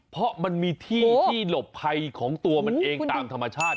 เพราะมันมีที่ที่หลบภัยของตัวมันเองตามธรรมชาติ